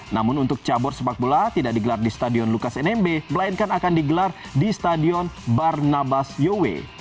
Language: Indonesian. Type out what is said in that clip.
namun untuk cabur sepak bola tidak digelar di stadion lukas nmb melainkan akan digelar di stadion barnabas yowe